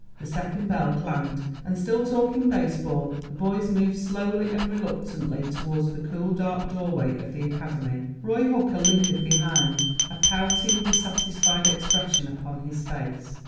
The second bell clanged, and, still talking baseball, the boys moved slowly and reluctantly toward the cool, dark doorway of the academy. Roy Hooker lingered behind, a pouting, dissatisfied expression upon his face.